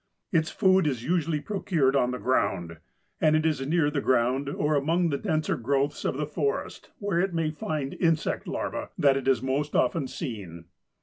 Its food is usually procured on the ground, and it is near the ground or among the denser growths of the forest, where it may find insect larvæ, that it is more often seen.